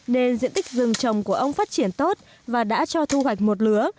nên diện tích rừng trồng của ông phát triển tốt và đã cho thu hoạch một lứa